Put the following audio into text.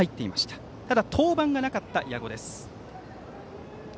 ただ、登板がなかった矢後です。